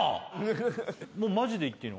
もうマジでいっていいの？